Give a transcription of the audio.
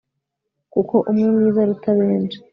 kuko umwe mwiza aruta benshi